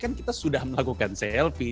kan kita sudah melakukan clp